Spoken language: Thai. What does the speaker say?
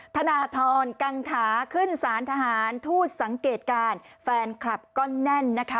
ธนทรกังขาขึ้นสารทหารทูตสังเกตการณ์แฟนคลับก็แน่นนะคะ